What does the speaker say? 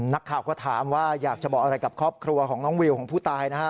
นักข่าวก็ถามว่าอยากจะบอกอะไรกับครอบครัวของน้องวิวของผู้ตายนะฮะ